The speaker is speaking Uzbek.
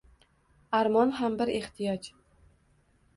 — Armon ham bir ehtiyoj.